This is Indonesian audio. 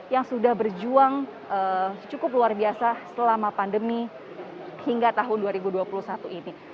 yang sudah berjuang cukup luar biasa selama pandemi hingga tahun dua ribu dua puluh satu ini